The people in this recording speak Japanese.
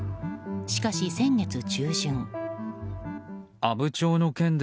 しかし先月中旬。